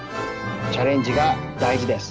チャレンジがだいじです。